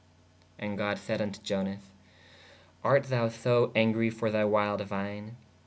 ¶ And god sayd vn to Ionas/ art thou so angre for thy wild vine?